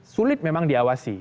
sulit memang diawasi